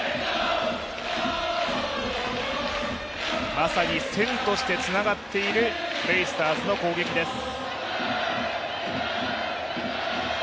まさに線としてつながってるベイスターズの攻撃です。